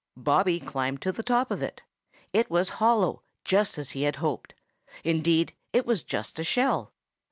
Bobby climbed to the top of it. It was hollow, just as he had hoped. Indeed, it was just a shell.